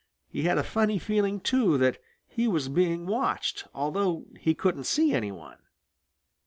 He had a funny feeling, too, that he was being watched, although he couldn't see any one.